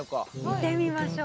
見てみましょう。